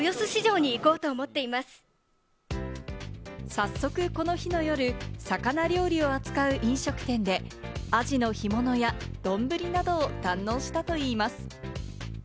早速この日の夜、魚料理を扱う飲食店でアジの干物や丼などを堪能したといいます。